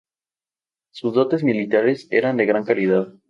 Sus dotes militares eran de gran calidad.